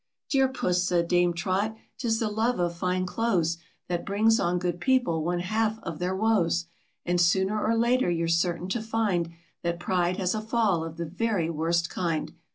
" Dear Puss," said Dame Trot, "'tis the love of fine clothes, That brings on good people one half of their woes, And sooner or later you're certain to find That pride has a fall of the very worst kind.